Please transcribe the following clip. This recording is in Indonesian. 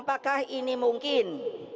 apakah ini mungkin